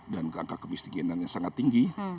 dan angka kemiskinannya sangat tinggi